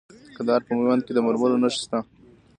د کندهار په میوند کې د مرمرو نښې شته.